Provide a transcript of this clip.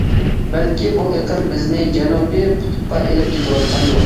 بەلكى بۇ ئېقىم بىزنى جەنۇبىي قۇتۇپقا ئېلىپ كېتىۋاتقاندۇ.